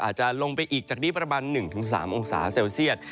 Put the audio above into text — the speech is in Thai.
อาจจะลงไปอีกจากนี้ประมาณ๑๓องศาเซลเซียต